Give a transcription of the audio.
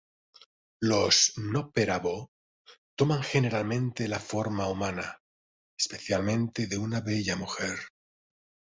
Los "Noppera-bō" toman generalmente la forma humana, especialmente de una bella mujer.